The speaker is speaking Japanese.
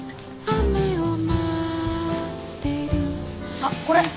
あっこれ。